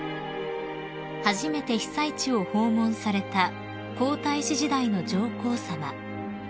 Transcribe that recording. ［初めて被災地を訪問された皇太子時代の上皇さま］